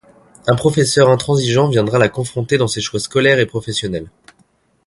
Un professeur intransigeant viendra la confronter dans ses choix scolaires et professionnels.